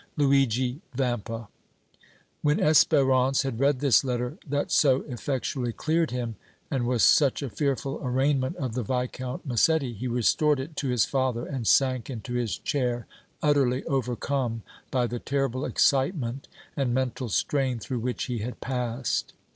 LUIGI VAMPA. When Espérance had read this letter that so effectually cleared him, and was such a fearful arraignment of the Viscount Massetti, he restored it to his father and sank into his chair utterly overcome by the terrible excitement and mental strain through which he had passed.